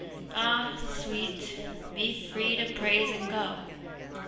Ah, Sweet, be free to praise and go!